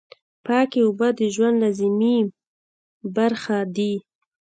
پاکې اوبه د ژوند لازمي برخه دي.